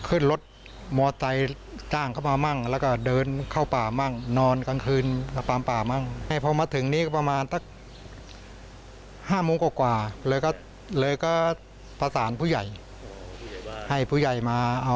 อืมแล้วก่อนมามอบตัวนี่ก็พาไปพบพ่อแม่